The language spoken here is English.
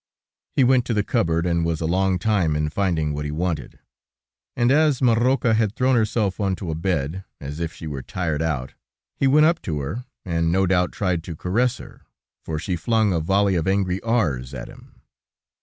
He went to the cupboard, and was a long time in finding what he wanted; and as Marocca had thrown herself onto a bed, as if she were tired out, he went up to her, and no doubt tried to caress her, for she flung a volley of angry r's at him.